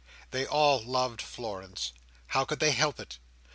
They all loved Florence. How could they help it!